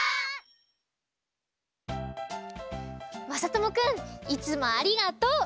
まさともくんいつもありがとう！